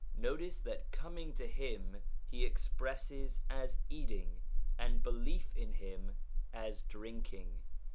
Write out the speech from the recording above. Notice that ' coming to him ' he expresses as eating, and ' belief in him ' as drinking.